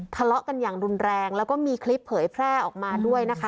ทะเลาะกันอย่างรุนแรงแล้วก็มีคลิปเผยแพร่ออกมาด้วยนะคะ